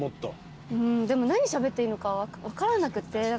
でも何しゃべっていいのか分からなくて。